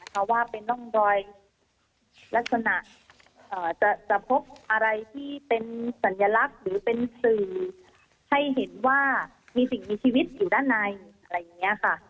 เพราะว่าเป็นร่องรอยลักษณะจะพบอะไรที่เป็นสัญลักษณ์หรือเป็นสื่อให้เห็นว่ามีสิ่งมีชีวิตอยู่ด้านในอะไรอย่างนี้ค่ะ